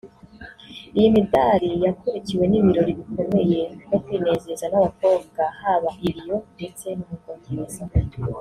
Iyi midali yakurikiwe n’ibirori bikomeye no kwinezeza n’abakobwa haba i Rio ndetse no mu Bwongereza